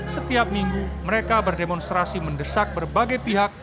setiap minggu mereka berdemonstrasi mendesak berbagai pihak